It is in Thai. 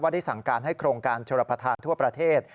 ได้สั่งการให้โครงการชนประธานทั่วประเทศ